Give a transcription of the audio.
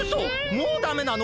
もうダメなの！？